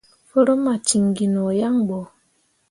Forummi ah ciŋ gi no yaŋ ɓo.